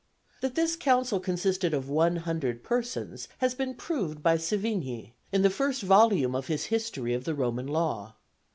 That this council consisted of one hundred persons has been proved by Savigny, in the first volume of his history of the Roman law.